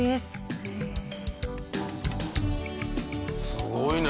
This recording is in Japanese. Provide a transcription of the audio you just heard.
すごいね！